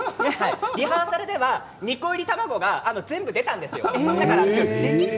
リハーサルでは２個入りたまごが全部出たんですよ。